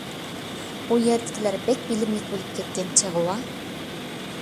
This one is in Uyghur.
ئۇ يەردىكىلەر بەك بىلىملىك بولۇپ كەتكەن چېغىۋا.